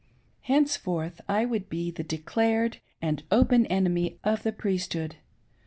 Henceforth I would be the declared and opein enemy of the Priesthood.